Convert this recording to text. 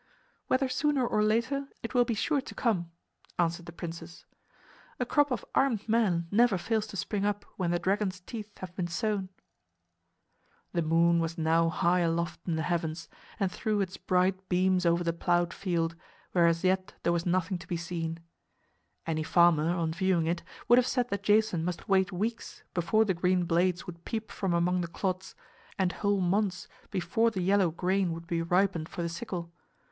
"Whether sooner or later, it will be sure to come," answered the princess. "A crop of armed men never fails to spring up when the dragon's teeth have been sown." The moon was now high aloft in the heavens and threw its bright beams over the plowed field, where as yet there was nothing to be seen. Any farmer, on viewing it, would have said that Jason must wait weeks before the green blades would peep from among the clods, and whole months before the yellow grain would be ripened for the sickle.